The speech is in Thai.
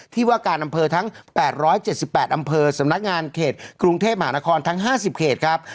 ที่ว่าการอำเภอทั้ง๘๗๘อำเภอสำนักงานเขตกรุงเทพมหานครทั้ง๕๐เขตครับ